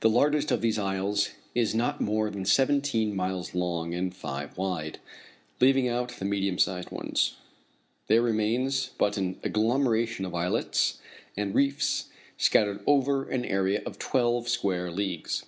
The largest of these isles is not more than seventeen miles long and five wide. Leaving out the medium sized ones, there remains but an agglomeration of islets and reefs scattered over an area of twelve square leagues.